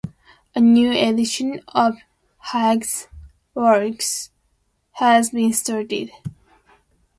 A new edition of Hugh's works has been started.